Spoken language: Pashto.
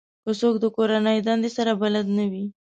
که څوک د کورنۍ دندې سره بلد نه وي